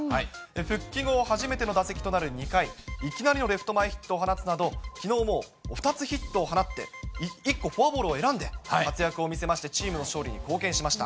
復帰後初めての打席となる２回、いきなりのレフト前ヒットを放つなど、きのう、もう２つヒットを放って１個フォアボールを選んで活躍を見せまして、チームの勝利に貢献しました。